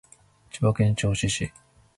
千葉県銚子市